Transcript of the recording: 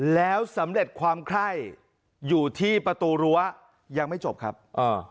แล้วสำเร็จความไคร้อยู่ที่ประตูรั้วยังไม่จบครับอ่า